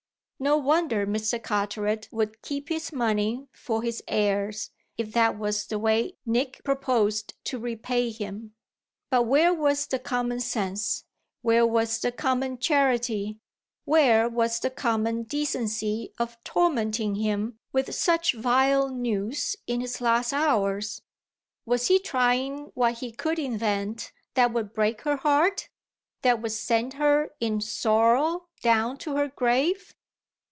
No wonder Mr. Carteret would keep his money for his heirs if that was the way Nick proposed to repay him; but where was the common sense, where was the common charity, where was the common decency of tormenting him with such vile news in his last hours? Was he trying what he could invent that would break her heart, that would send her in sorrow down to her grave?